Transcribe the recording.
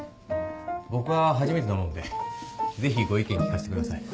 僕は初めてなもんでぜひご意見聞かせてください。